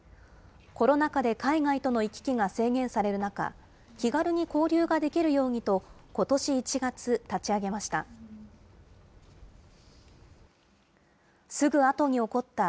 コロナ禍で海外との行き来が制限される中、気軽に交流ができるようにと、ことし１月、立ち上げました。